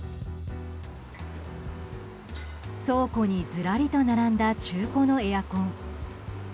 倉庫にずらりと並んだ中古のエアコン。